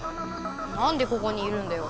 なんでここにいるんだよ。